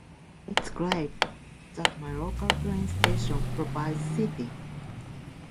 It’s great that my local train station provides seating.